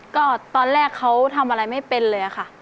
ก็ตอนแรกเขาทำอะไรไม่เป็นเลยค่ะ